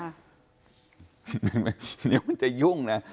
เอานี่มันจะยุ่งนะ